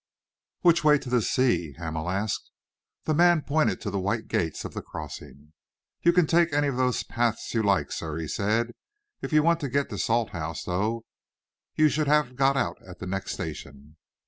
"Which way to the sea?" Hamel asked. The man pointed to the white gates of the crossing. "You can take any of those paths you like, sir," he said. "If you want to get to Salthouse, though, you should have got out at the next station."